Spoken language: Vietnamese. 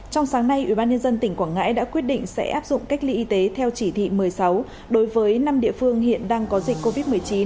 trong sáng nay ubnd tỉnh quảng ngãi đã quyết định sẽ áp dụng cách ly y tế theo chỉ thị một mươi sáu đối với năm địa phương hiện đang có dịch covid một mươi chín